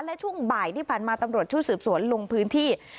และช่วงบ่ายที่ผ่านมาตำรวจชุดสืบสวนลงพื้นที่